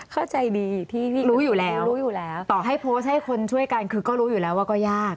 เข้าใจดีรู้อยู่แล้วต่อให้โพสต์ให้คนช่วยกันคือก็รู้อยู่แล้วว่าก็ยาก